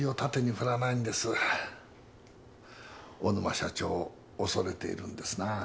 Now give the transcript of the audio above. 小沼社長を恐れているんですな。